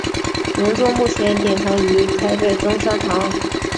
原作目前典藏于台北中山堂。